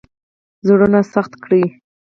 زړونه سخت کړي.